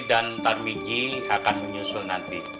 dan tarmigyi akan menyusul nanti